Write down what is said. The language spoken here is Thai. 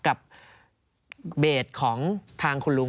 กับเบสของทางคุณลุง